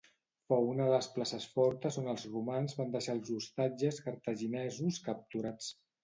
Fou una de les places fortes on els romans van deixar els ostatges cartaginesos capturats.